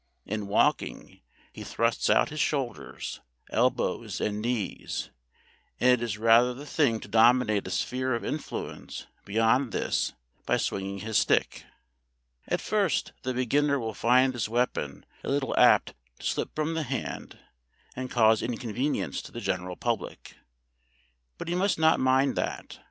In walking he thrusts out his shoulders, elbows, and knees, and it is rather the thing to dominate a sphere of influence beyond this by swinging his stick. At first the beginner will find this weapon a little apt to slip from the hand and cause inconvenience to the general public; but he must not mind that.